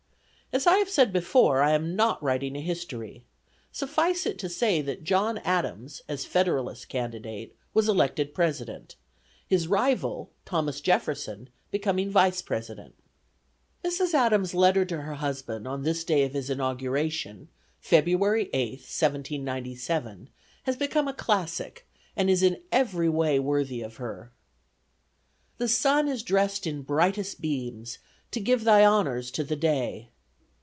As I have said before, I am not writing a history: suffice it to say that John Adams, as Federalist candidate, was elected President, his rival, Thomas Jefferson, becoming Vice President. Mrs. Adams' letter to her husband on the day of his inauguration, February 8th, 1797, has become a classic, and is in every way worthy of her. "The sun is dressed in brightest beams, To give thy honors to the day.